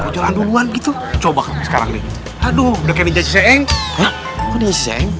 jalan duluan gitu coba sekarang nih aduh udah kayak ninja ciseeng